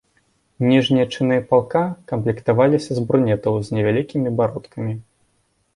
Ніжнія чыны палка камплектаваліся з брунетаў з невялікімі бародкамі.